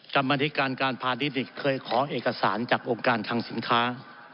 กรรมนิการาคตพาดิตฤทฯเคยขอเอกสารจากองค์การถังสันค้า